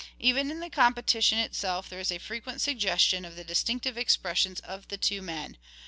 Even in the competition itself there is a frequent suggestion of the distinctive expressions of the two men.